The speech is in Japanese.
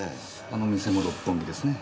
あの店も六本木ですね？